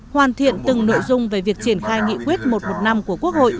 hoàn thiện từng nội dung về việc triển khai nghị quyết một trăm một mươi năm của quốc hội